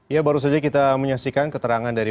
ya baru saja kita menyaksikan keterangan dari